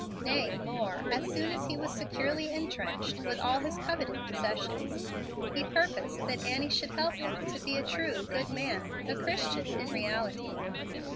Nay, more, as soon as he was securely intrenched, with all his coveted possessions, he purposed that Annie should help him to be a true, good man a Christian in reality.